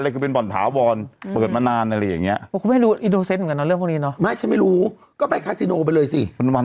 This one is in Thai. เขาบอกแม่เทศไทยไม่มีบอล